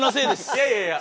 いやいやいや。